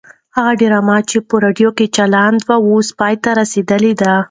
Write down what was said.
هغه ډرامه چې په راډیو کې چلېده اوس پای ته رسېدلې ده.